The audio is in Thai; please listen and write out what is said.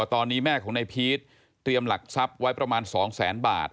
ตอนนี้แม่ของนายพีชเตรียมหลักทรัพย์ไว้ประมาณ๒แสนบาท